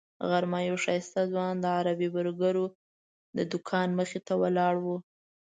غرمه یو ښایسته ځوان د عربي برګرو د دوکان مخې ته ولاړ و.